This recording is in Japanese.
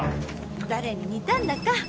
誰に似たんだか。